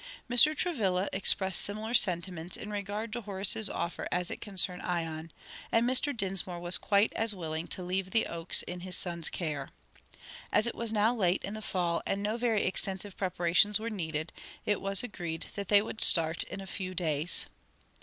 Mr. Travilla expressed similar sentiments in regard to Horace's offer as it concerned Ion, and Mr. Dinsmore was quite as willing to leave the Oaks in his son's care. As it was now late in the fall and no very extensive preparations were needed, it was agreed that they would start in a few days.